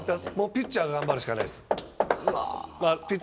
ピッチャーが頑張るしかないです。